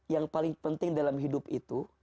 yang paling penting dalam hidup itu